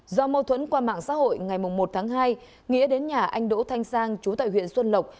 do mâu thuẫn qua mạng xã hội ngày một tháng hai nghĩa đến nhà anh đỗ thanh sang chú tại huyện xuân lộc